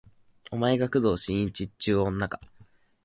お前が工藤新一っちゅう女か